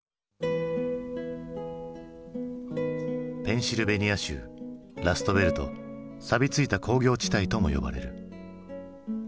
ペンシルベニア州ラストベルト「さび付いた工業地帯」とも呼ばれる。